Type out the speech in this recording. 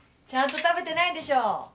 ちゃんと食べてないんでしょ？